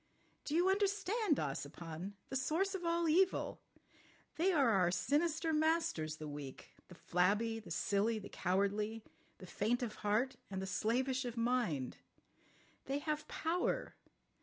"Do you understand, Ossipon? The source of all evil! They are our sinister masters—the weak, the flabby, the silly, the cowardly, the faint of heart, and the slavish of mind. They have power.